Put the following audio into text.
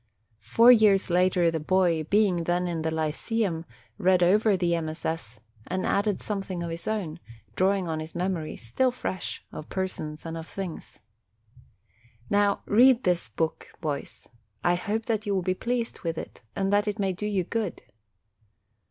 Four years later the boy, being then in the lyceum, read over the MSS. and added something of his own, drawing on his mem ories, still fresh, of persons and of things. Now read this book, boys; I hope that you will be pleased with it, and that it may do you good.